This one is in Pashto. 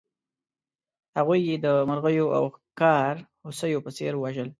هغوی یې د مرغیو او ښکار هوسیو په څېر وژل.